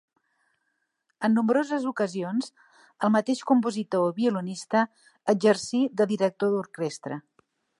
En nombroses ocasions el mateix compositor i violinista exercí de director d'orquestra.